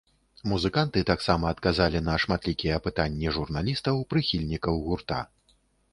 Музыканты таксама адказалі на шматлікія пытанні журналістаў, прыхільнікаў гурта.